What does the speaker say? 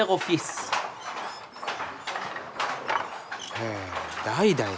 へぇ代々。